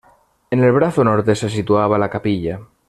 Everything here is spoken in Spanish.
En el brazo norte se situaba la capilla.